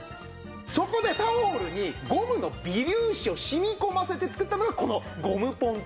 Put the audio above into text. そこでタオルにゴムの微粒子を染み込ませて作ったのがこのゴムポン